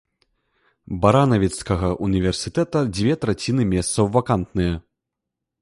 Баранавіцкага ўніверсітэта дзве траціны месцаў вакантныя.